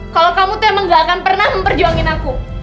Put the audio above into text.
kalau kamu tuh emang gak akan pernah memperjuangin aku